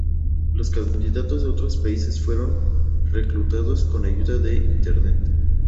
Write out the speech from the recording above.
Los candidatos de otros países fueron reclutados con ayuda de Internet.